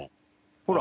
ほら！